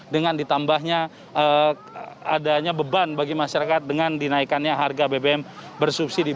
dengan ditambahnya adanya beban bagi masyarakat dengan dinaikannya harga bbm bersubsidi